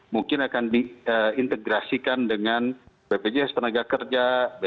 mungkin akan diintegrasikan dengan bpjs tenaga kerja